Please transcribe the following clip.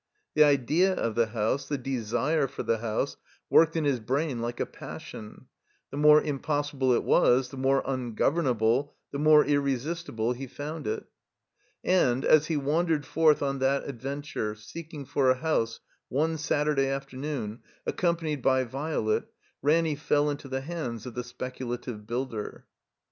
The idea of the house, the desire for the house worked in his brain like a passion; the more impossible it was, the more tmgovemable, the more irresistible he found it. And, as he wandered forth on that adventure, seeking for a house, one Saturday afternoon, ac companied by Violet, Ranny fell into the hands of the Speculative Builder.